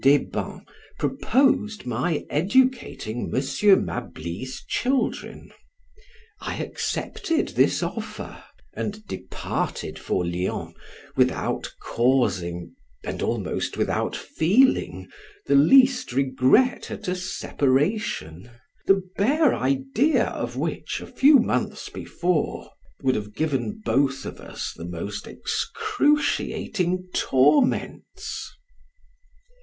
M. Deybens proposed my educating M. Malby's children; I accepted this offer, and departed for Lyons without causing, and almost without feeling, the least regret at a separation, the bare idea of which, a few months before, would have given us both the most excruciating torments.